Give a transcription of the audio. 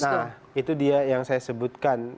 nah itu dia yang saya sebutkan